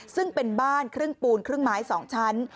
ซึ่งเป็นบ้านครึ่งปูนครึ่งไม้๒ชั้น